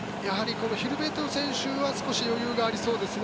ヒルベルト選手は少し余裕がありそうですね。